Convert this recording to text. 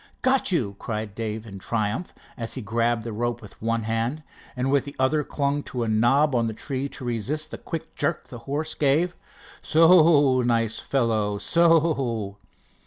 "Got you!" cried Dave in triumph, as he grabbed the rope with one hand, and with the other clung to a knob on the tree to resist the quick jerk the horse gave. "So—o, nice fellow, so—o."